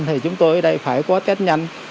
thì chúng tôi ở đây phải có test nhanh